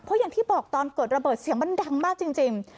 เพราะอย่างที่บอกตอนเกิดระเบิดเสียงมันดังมากจริง